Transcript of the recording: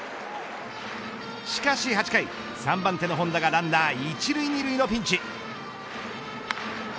しかし８回、３番手の本田がランナー１塁２塁のピンチ。